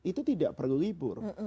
itu tidak perlu libur